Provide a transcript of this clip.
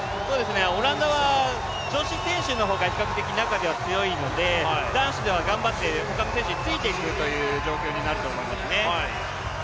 オランダは女子選手の方が比較的強いので男子は頑張って、他の選手についていく状況になると思いますね。